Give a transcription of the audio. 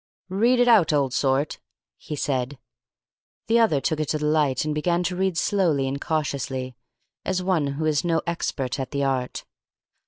"Read it out, old sort," he said. The other took it to the light and began to read slowly and cautiously, as one who is no expert at the art.